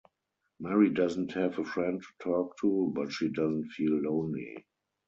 Mary doesn't have a friend to talk to, but she doesn't feel lonely.